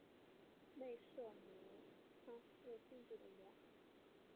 内射模相似性质的模。